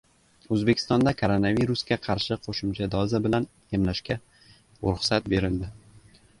O‘zbekistonda koronavirusga qarshi qo‘shimcha doza bilan emlashga ruxsat berildi